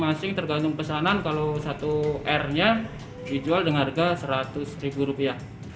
masing tergantung pesanan kalau satu r nya dijual dengan harga seratus ribu rupiah